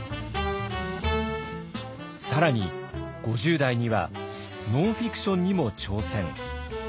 更に５０代にはノンフィクションにも挑戦。